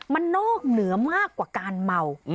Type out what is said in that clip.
มันนอกเหนือมากกว่าการเมา